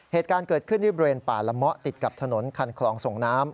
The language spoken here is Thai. เหตุการณ์เกิดขึ้นที่บริเวณป่าละเมาะติดกับถนนคันคลองส่งน้ำ